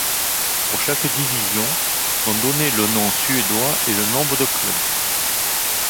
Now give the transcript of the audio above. Pour chaque division sont donnés le nom suédois et le nombre de clubs.